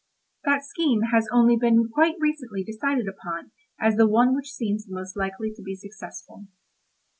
That scheme has only been quite recently decided upon as the one which seems most likely to be successful.